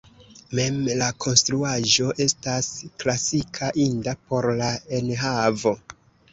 Mem la konstruaĵo estas klasika, inda por la enhavo.